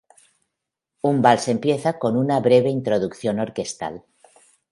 Un vals empieza con una breve introducción orquestal.